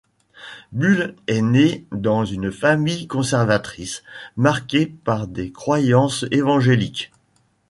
Bull est né dans une famille conservatrice marquée par des croyances évangéliques.